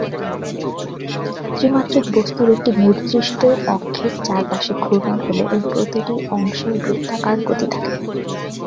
ত্রি-মাত্রিক বস্তুর একটি নির্দিষ্ট অক্ষের চারপাশে ঘূর্ণন হলে এর প্রতিটি অংশের বৃত্তাকার গতি থাকে।